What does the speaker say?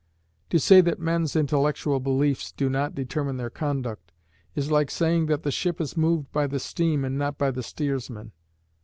To say that men's intellectual beliefs do not determine their conduct, is like saying that the ship is moved by the steam and not by the steersman.